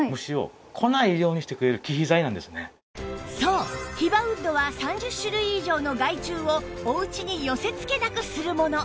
そうヒバウッドは３０種類以上の害虫をお家に寄せ付けなくするもの